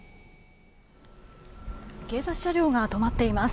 警察車両が止まっています。